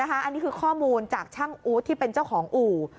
อันนี้คือข้อมูลจากช่างอู๊ดที่เป็นเจ้าของอู่